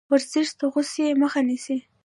ورزش د غوسې مخه نیسي.